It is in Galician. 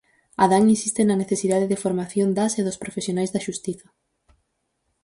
Adán insiste na necesidade de formación das e dos profesionais da xustiza.